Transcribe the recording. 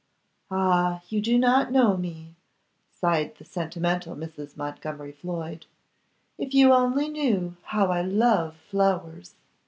'Ah! you do not know me!' sighed the sentimental Mrs. Montgomery Floyd. 'If you only knew how I love flowers!